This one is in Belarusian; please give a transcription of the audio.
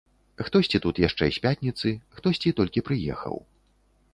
Хтосьці тут яшчэ з пятніцы, хтосьці толькі прыехаў.